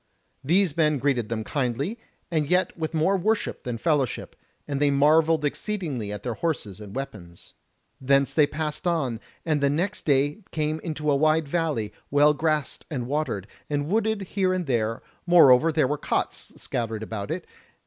These men greeted them kindly, and yet with more worship than fellowship, and they marvelled exceedingly at their horses and weapons. Thence they passed on, and the next day came into a wide valley, well grassed and watered, and wooded here and there; moreover there were cots scattered about it.